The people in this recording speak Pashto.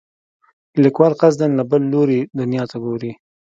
لیکوال قصدا له بل لیدلوري دنیا ته ګوري.